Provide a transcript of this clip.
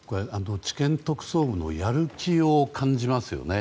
地検特捜部のやる気を感じますよね。